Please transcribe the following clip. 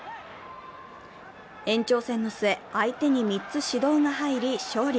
延長戦の末、相手に３つ指導が入り勝利。